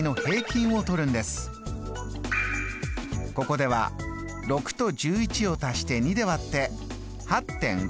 ここでは６と１１を足して２で割って８．５。